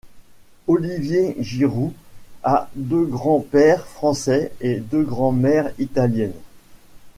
Olivier Giroud a deux grands-pères français et deux grands-mères italiennes.